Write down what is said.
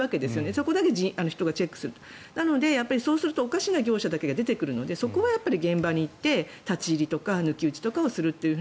そこだけ人がチェックするなので、そうするとおかしな業者だけが出てくるのでそこは現場に行って立ち入りとか抜き打ちをすると。